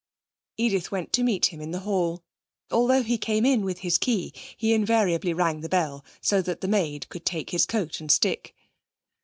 Edith went to meet him in the hall. Although he came in with his key, he invariably rang the bell, so that the maid could take his coat and stick.